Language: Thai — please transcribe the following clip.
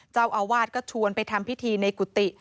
เจ้าอาวาสก็ชวนไปทำพิธีในกุฏิ